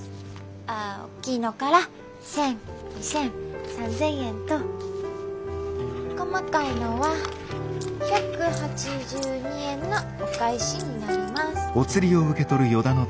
あおっきいのから１，０００２，０００３，０００円と細かいのは１８２円のお返しになります。